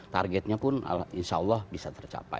targetnya pun insya allah bisa tercapai